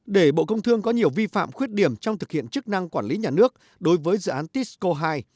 để bộ công thương có nhiều vi phạm khuyết điểm trong thực hiện chức năng quản lý nhà nước đối với dự án tisco hai